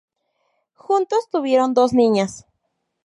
Juntos tuvieron dos niñas.